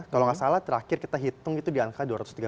kalau nggak salah terakhir kita hitung itu di angka dua ratus tiga puluh